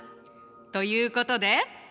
ということで。